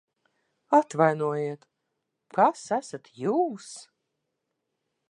Atvainojiet, kas esat jūs?